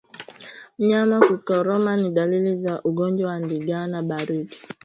Mnyama kukoroma ni dalili za ugonjwa wa ndigana baridi